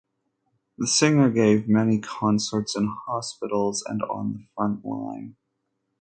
The singer gave many concerts in hospitals and on the front line.